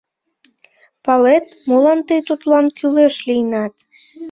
Палет, молан тый тудлан кӱлеш лийынат?